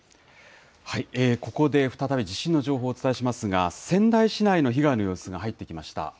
ここで再び地震の情報をお伝えしますが仙台市内の被害の様子が入ってきました。